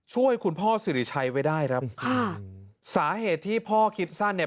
ช่วยคุณพ่อสิริชัยไว้ได้ครับค่ะสาเหตุที่พ่อคิดสั้นเนี่ย